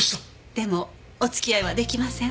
でもお付き合いは出来ません。